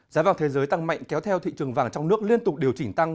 giá vàng thế giới tăng mạnh kéo theo thị trường vàng trong nước liên tục điều chỉnh tăng